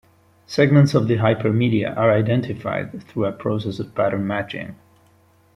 Segments of the hypermedia are identified through a process of pattern matching.